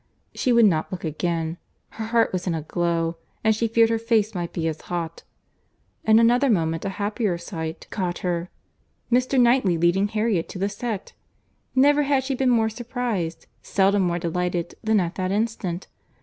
She would not look again. Her heart was in a glow, and she feared her face might be as hot. In another moment a happier sight caught her;—Mr. Knightley leading Harriet to the set!—Never had she been more surprized, seldom more delighted, than at that instant.